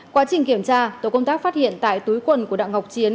quá trình kiểm tra tổ công tác phát hiện tại túi quần của đặng ngọc chiến